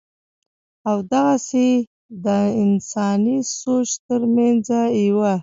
او دغسې دَانساني سوچ تر مېنځه يوه